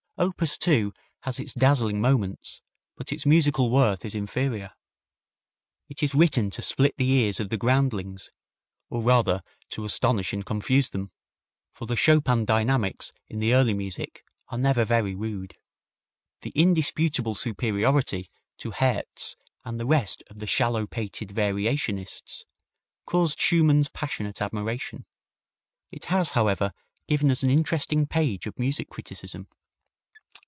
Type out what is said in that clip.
Op. 2 has its dazzling moments, but its musical worth is inferior. It is written to split the ears of the groundlings, or rather to astonish and confuse them, for the Chopin dynamics in the early music are never very rude. The indisputable superiority to Herz and the rest of the shallow pated variationists caused Schumann's passionate admiration. It has, however, given us an interesting page of music criticism.